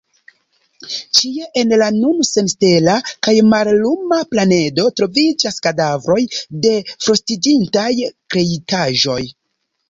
Ĉie en la nun senstela kaj malluma planedo troviĝas kadavroj de frostiĝintaj kreitaĵoj.